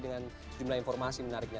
dengan jumlah informasi menariknya